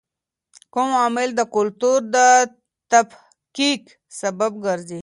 کوم عوامل د کلتور د تفکیک سبب ګرځي؟